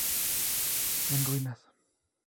En ruinas.